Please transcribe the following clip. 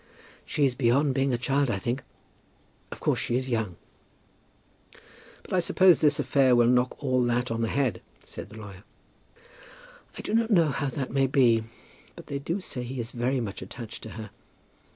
"She's beyond being a child, I think. Of course she is young." "But I suppose this affair will knock all that on the head," said the lawyer. "I do not know how that may be; but they do say he is very much attached to her.